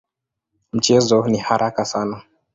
Mchezo ni haraka sana.